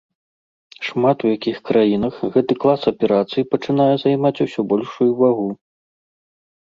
Шмат у якіх краінах гэты клас аперацый пачынае займаць усё большую вагу.